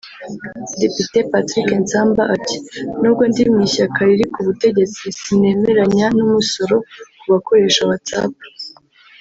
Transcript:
Depite Patrick Nsamba ati "Nubwo ndi mu ishyaka riri ku butegetsi sinemerenya n'umusoro ku bakoresha whatsapp